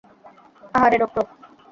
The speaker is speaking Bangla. আহারে, ডক্টর!